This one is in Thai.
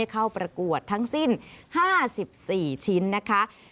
เข้าประกวดทั้งสิ้น๕๔ชิ้นนะคะ